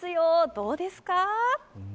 どうですか？